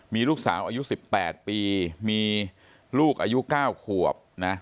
มีลูกสาวอายุ๑๘ปีมีลูกอายุ๙ขวบนะ